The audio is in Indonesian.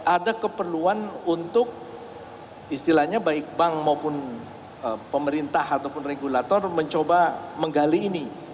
ada keperluan untuk istilahnya baik bank maupun pemerintah ataupun regulator mencoba menggali ini